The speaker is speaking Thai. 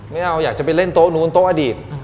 ไม่เอาอยากจะไปเล่นโต๊ะนู้นโต๊ะอดีต